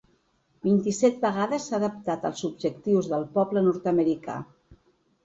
Vint-i-set vegades s’ha adaptat als objectius del poble nord-americà.